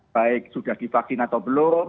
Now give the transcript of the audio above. baik sudah divaksin atau belum